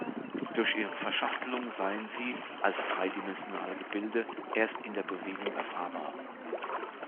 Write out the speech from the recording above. Durch ihre Verschachtelung seien sie, als dreidimensionale Gebilde, erst in der Bewegung erfahrbar.